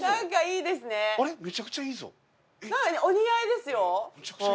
お似合いですよ。